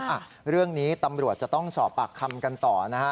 อ่ะเรื่องนี้ตำรวจจะต้องสอบปากคำกันต่อนะฮะ